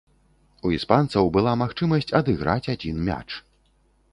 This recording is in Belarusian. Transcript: У іспанцаў была магчымасць адыграць адзін мяч.